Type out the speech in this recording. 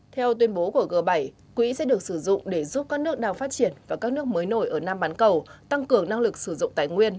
theo tuyên bố của g bảy quỹ sẽ được sử dụng để giúp các nước đang phát triển và các nước mới nổi ở nam bán cầu tăng cường năng lực sử dụng tài nguyên